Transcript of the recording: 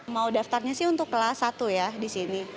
mau daftarnya sih untuk kelas satu ya disini